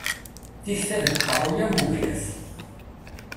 Tikta deg uqerruy am uglaf.